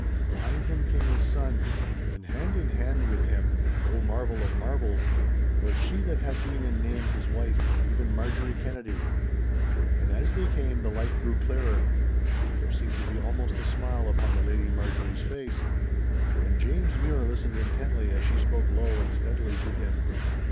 Behind him came his son. And hand in hand with him (O marvel of marvels!) was she that had been in name his wife, even Marjorie Kennedy. And as they came, the light grew clearer. There seemed to be almost a smile upon the Lady Marjorie's face. And James Mure listened intently as she spoke low and steadily to him.